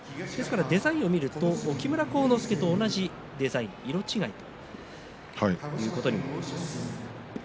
デザインを見ると木村晃之助と同じデザイン、色違いということになります。